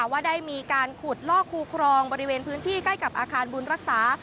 ว่าได้มีการขุดลอกคูครองบริเวณพื้นที่ใกล้กับอาคารบุญรักษา